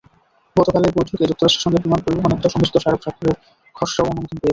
গতকালের বৈঠকে যুক্তরাষ্ট্রের সঙ্গে বিমান পরিবহনে একটি সমঝোতা স্মারক স্বাক্ষরের খসড়াও অনুমোদন পেয়েছে।